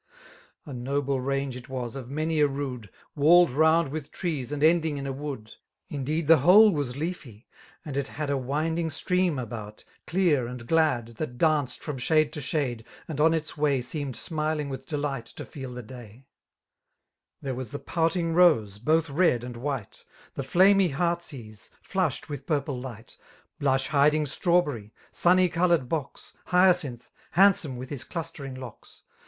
A noble range it was, of many a rood^ WaHed round with trees> and ending in a wood ; Indeed the whole was leafy ; and it had A winding stream abotj That danced frpm.shad[e'it€i shade^ and t»n its way Seemed smiling with delight to feel the day* There was the pouting, rose^ both red and white^ The flamy heart's ease> flushed with purple light. 66 » Blush hiding stm^berry, sunby eoloared box» Hyacinth, handflome with his chutaiiig locks.